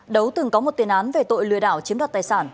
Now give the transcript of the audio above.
đấu từng có một tiền án về tội lừa đảo chiếm đoạt tài sản